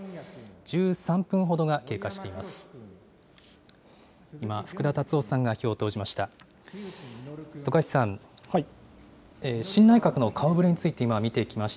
１３分ほどが経過しています。